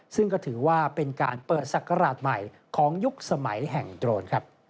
ซึ่งก็ถือว่าเป็นการเปิดศักราชใหม่ของยุคสมัยแห่งโดรน